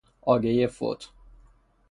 آگهی فوت